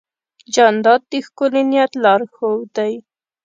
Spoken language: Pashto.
جانداد د ښکلي نیت لارښود دی.